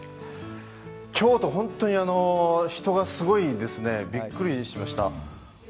京都、ホントに人がすごいですね、びっくりしました。